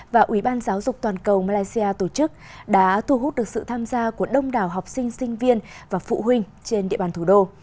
và ủy ban giáo dục toàn cầu malaysia tổ chức đã thu hút được sự tham gia của đông đảo học sinh sinh viên và phụ huynh trên địa bàn thủ đô